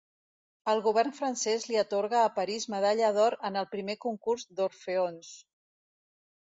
El Govern francès li atorga a París medalla d'or en el primer concurs d'Orfeons.